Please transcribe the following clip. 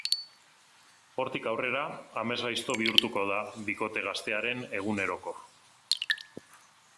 Hortik aurrera, amesgaizto bihurtuko da bikote gaztearen egunerokoa.